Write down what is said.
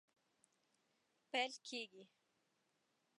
پیل کیږي